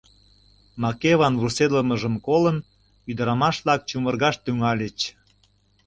Макеван вурседылмыжым колын, ӱдырамаш-влак чумыргаш тӱҥальыч.